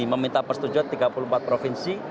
meminta persetujuan tiga puluh empat provinsi